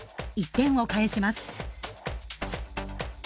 １点を返します。